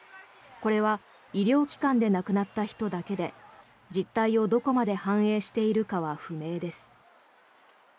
これは医療機関で亡くなった人だけで実態をどこまで反映しているかは不明です。